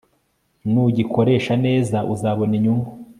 Nugikoresha neza uzabona inyungu